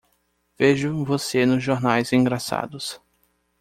Vejo você nos jornais engraçados.